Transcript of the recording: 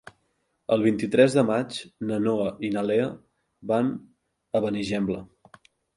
El vint-i-tres de maig na Noa i na Lea van a Benigembla.